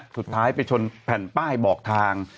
สุดท้ายไปชนแผ่นป้ายบอกทาง